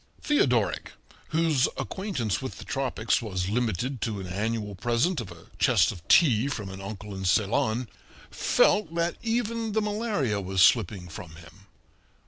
Theodoric, whose acquaintance with the tropics was limited to an annual present of a chest of tea from an uncle in Ceylon, felt that even the malaria was slipping from him.